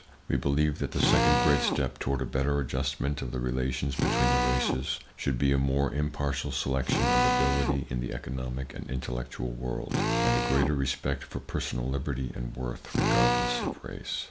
We believe that the second great step toward a better adjustment of the relations between the races, should be a more impartial selection of ability in the economic and intellectual world, and a greater respect for personal liberty and worth, regardless of race.